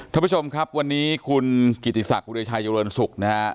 ท่านผู้ชมครับวันนี้คุณกิติศักดิชายเจริญศุกร์นะฮะ